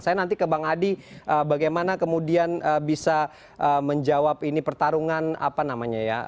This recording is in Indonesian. saya nanti ke bang adi bagaimana kemudian bisa menjawab ini pertarungan apa namanya ya